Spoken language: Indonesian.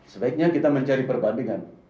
sebaiknya kita mencari perbandingan